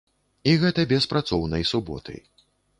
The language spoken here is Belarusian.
І гэта без працоўнай суботы.